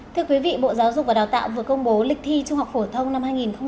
thưa quý vị bộ giáo dục và đào tạo vừa công bố lịch thi trung học phổ thông năm hai nghìn hai mươi